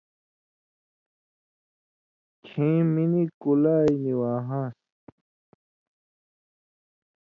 کھیں منی کُلائی نی واہان٘س۔